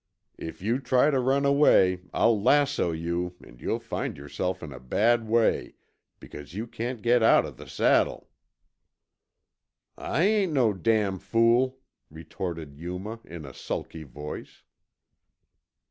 "If you try to run away, I'll lasso you and you'll find yourself in a bad way, because you can't get out of the saddle." "I ain't no damn fool," retorted Yuma in a sulky voice.